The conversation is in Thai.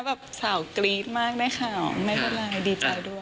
แบบสาวกรี๊ดมากได้ข่าวไม่เป็นไรดีใจด้วย